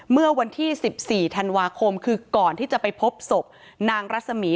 เมื่อวันที่๑๔ธันวาคมคือก่อนที่จะไปพบศพนางรัศมี